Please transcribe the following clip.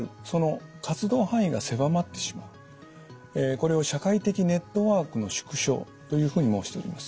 これを社会的ネットワークの縮小というふうに申しております。